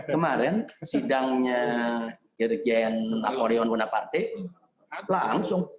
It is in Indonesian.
kemarin sidangnya irjen napoleon bunaparte langsung